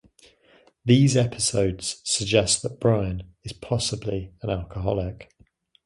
These episodes suggest that Brian is possibly an alcoholic.